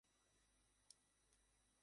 দেখেছেন dead man ও জাতীয় সংগীত পারে না।